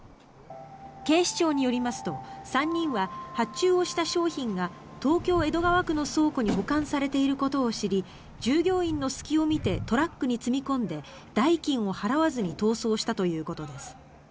警視庁によりますと３人は発注をした商品が東京・江戸川区の倉庫に保管されていることを知り従業員の隙を見てトラックに積み込んで代金を払わずに逃走したということです。